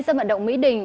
sân vận động mỹ đình